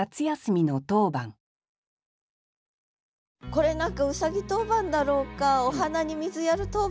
これ何かうさぎ当番だろうかお花に水やる当番だろうか。